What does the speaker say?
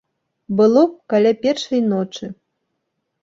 Было каля першай ночы.